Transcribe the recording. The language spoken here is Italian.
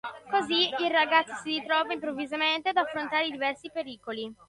Così, il ragazzo si ritrova improvvisamente ad affrontare diversi pericoli.